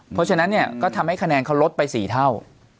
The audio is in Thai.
เพราะฉะนั้นเนี่ยก็ทำให้คะแนนเขาลดไป๔เท่า